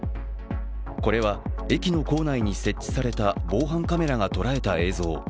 これは、駅の構内に設置された防犯カメラが捉えた映像。